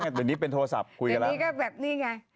เดี๋ยวก็แบบนี้ไง